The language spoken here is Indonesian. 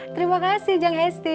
terima kasih jeng hesti